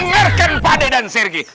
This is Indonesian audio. dengarkan pak d dan sergei